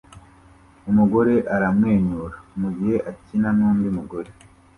Umugore aramwenyura mugihe akina nundi mugore